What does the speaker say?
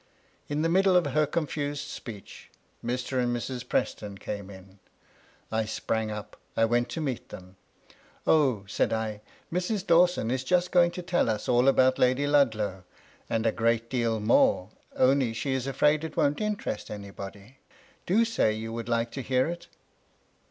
In the middle of her confused speech, Mr. and 12 BOUND THE BOFA Mrs. Preston came in. I sprang up ; I went to meet them. " Oh," said I, " Mrs. Dawson is just going to tell us all about Lady Ludlow, and a great deal more, only she is afraid it won't interest anybody : do say you would like to hear it